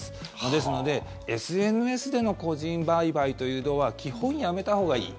ですのでＳＮＳでの個人売買というのは基本、やめたほうがいい。